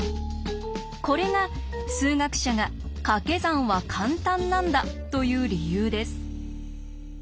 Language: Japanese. これが数学者が「かけ算は簡単なんだ」と言う理由です。